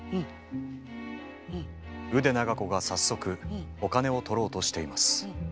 腕長子が早速お金を取ろうとしています。